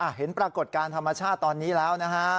เห็นปรากฏการณ์ธรรมชาติตอนนี้แล้วนะฮะ